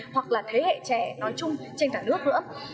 hoặc là thế hệ trẻ nói chung trên cả nước nữa